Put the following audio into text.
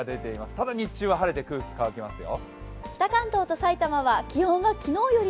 ただ、日中は晴れて空気が乾きますよ。